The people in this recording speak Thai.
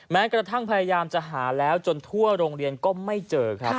แม้กระทั่งพยายามจะหาแล้วจนทั่วโรงเรียนก็ไม่เจอครับ